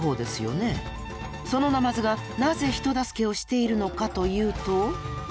そのナマズがなぜ人助けをしているのかというと。